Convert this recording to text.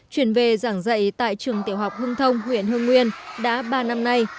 chuyển về giảng dạy tại trường tiểu học hưng thông huyện hương nguyên đã ba năm nay